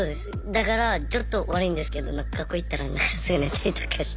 だからちょっと悪いんですけど学校行ったらすぐ寝たりとかして。